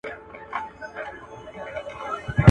چي نه دي و له پلار و نيکه، اوس دي نوی ونيوه.